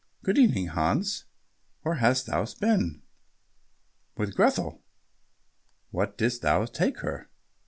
"Good evening, Hans. Where hast thou been?" "With Grethel." "What didst thou take her?"